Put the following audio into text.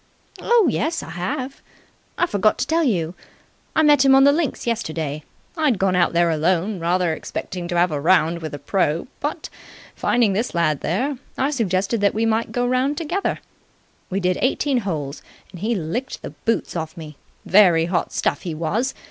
"Oh yes, I have. I forgot to tell you. I met him on the links yesterday. I'd gone out there alone, rather expecting to have a round with the pro., but, finding this lad there, I suggested that we might go round together. We did eighteen holes, and he licked the boots off me. Very hot stuff he was.